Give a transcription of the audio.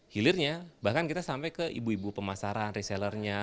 hilirnya bahkan kita sampai ke ibu ibu pemasaran resellernya